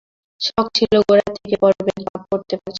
শখ ছিল গোড়া থেকে পড়বেন, তা পড়তে পারছেন না।